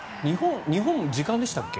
日本は時間でしたっけ。